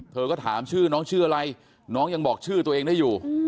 เธอก็ถามชื่อน้องชื่ออะไรน้องยังบอกชื่อตัวเองได้อยู่